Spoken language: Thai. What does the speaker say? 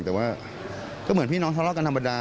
แต่ว่าก็เหมือนพี่น้องทะเลาะกันธรรมดา